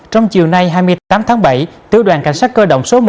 trong chiều nay hai mươi tám tháng bảy tiểu đoàn cảnh sát cơ động số một